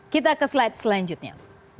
kita ke slide selanjutnya